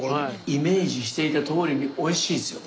イメージしていたとおりにおいしいですよ。